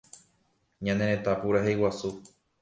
Ñane Retã Purahéi Guasu